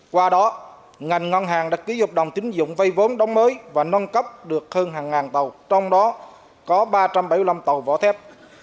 qua đó ngành ngân hàng đã ký hợp đồng tính dụng vây vốn đóng mới và nâng cấp được hơn hàng ngàn tàu trong đó có ba trăm bảy mươi năm tàu vỏ thép